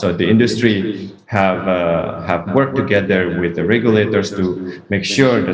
jadi industri telah bekerja bersama dengan pengaturan untuk memastikan